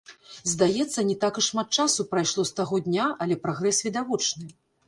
Здаецца, не так і шмат часу прайшло з таго дня, але прагрэс відавочны.